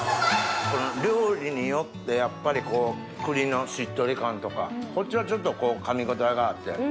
料理によってやっぱり栗のしっとり感とかこっちはちょっとかみ応えがあって。